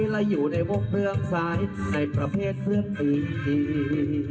และอยู่ในวงเรื่องซ้ายในประเภทเพื่อนตี